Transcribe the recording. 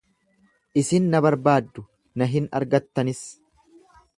Isin na barbaaddu, na hin argattanis.